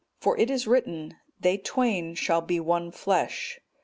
For it is written, 'They twain shall be one flesh.